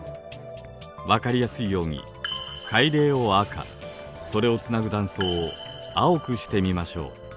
分かりやすいように海嶺を赤それをつなぐ断層を青くしてみましょう。